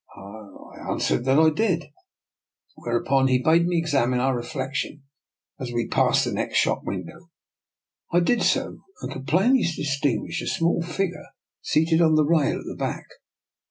" I answered that I did, whereupon he bade me examine our reflection as we passed the next shop window. I did so, and could plain ly distinguish a small figure seated on the rail at the back.